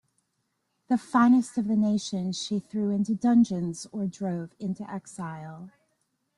The finest of the nation she threw into dungeons or drove into exile.